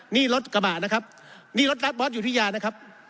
นี่รถกระบะนะครับนี่รถรัฐบอสอยู่ที่ยานะครับ